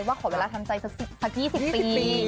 ขอเวลาทำใจสัก๒๐ปี